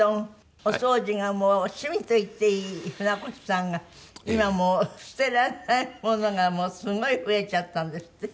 お掃除がもう趣味といっていい船越さんが今もう捨てられないものがすごい増えちゃったんですって？